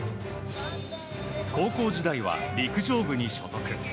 高校時代は陸上部に所属。